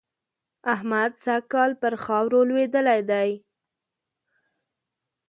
احمد سږ کال پر خاورو لوېدلی دی.